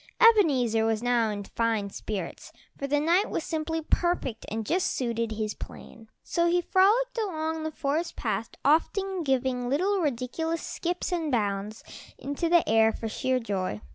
Ebenezer was now in fine spirits, for the night was simply perfect, and just suited his plans, so he frolicked along the forest path, often giving little ridiculous skips and bounds into the air for sheer joy.